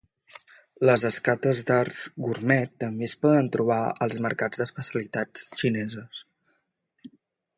Les escates d'arç gurmet també es poden trobar als mercats d'especialitats xineses.